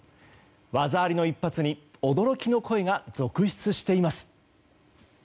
技ありの一発に驚きの声が続出しています。